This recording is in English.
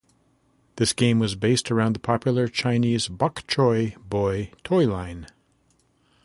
This game was based around the popular Chinese Bok Choy Boy toy line.